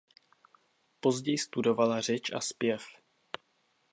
Později studovala řeč a zpěv.